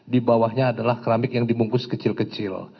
di bawahnya adalah keramik yang dibungkus kecil kecil